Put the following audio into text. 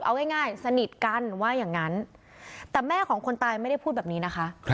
เอาง่ายสนิทกันว่าอย่างนั้นแต่แม่ของคนตายไม่ได้พูดแบบนี้นะคะ